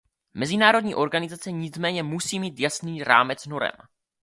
Mezinárodní organizace nicméně musejí mít jasný rámec norem.